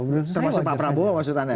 termasuk pak prabowo di stana ya